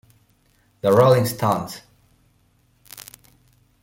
The Rolling Stones